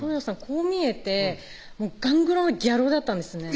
こう見えてガングロのギャル男だったんですね